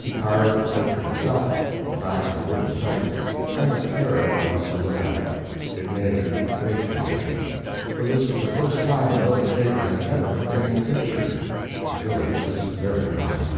He carved the portrait himself, on the back of a wooden type—and a terror it was to look at. It made a great commotion, for this was the first time the village paper had ever contained a picture. The village was very proud.